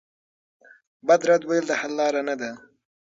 بد رد ویل د حل لاره نه ده.